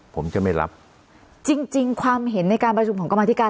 ผมจะไม่รับจริงจริงความเห็นในการประชุมของกรรมธิการ